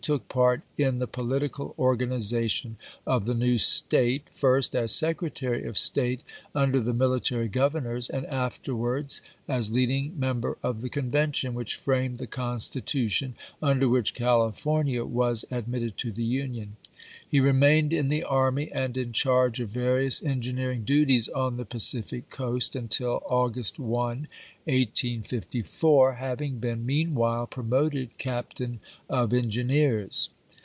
took part ill the political organization of the new State, first as Secretary of State under the military Governors, and afterwards as leading member of the Convention which framed the Constitution under which California was admitted to the Union. He remained in the army and in charge of various en gineering duties on the Pacific coast until August 1, 1854, having been meanwhile promoted captain of engineers.